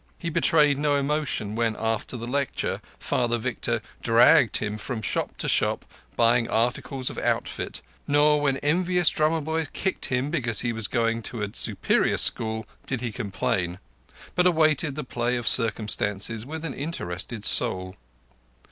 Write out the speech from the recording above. He betrayed no emotion when, after the lecture, Father Victor dragged him from shop to shop buying articles of outfit, nor when envious drummer boys kicked him because he was going to a superior school did he complain, but awaited the play of circumstances with an interested soul.